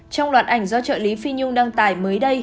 trong loạt ảnh do trợ lý phi nhung đăng tải mới đây